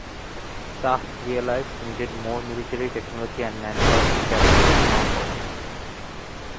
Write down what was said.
Shah realised needed more military technology and manpower to capture Nuwakot.